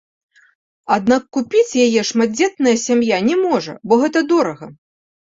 Аднак купіць яе шматдзетная сям'я не можа, бо гэта дорага.